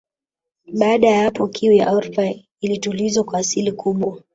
Baada ya hapo kiu ya Oprah ilitulizwa kwa asilimia kubwa